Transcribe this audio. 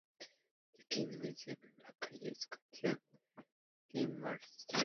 The Kinks mencionan la calle en su canción "Denmark Street".